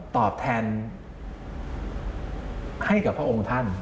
ตอบแทนให้กับพระองค์ท่าน